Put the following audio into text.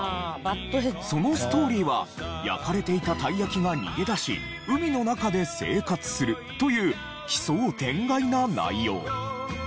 そのストーリーは焼かれていたたい焼きが逃げ出し海の中で生活するという奇想天外な内容。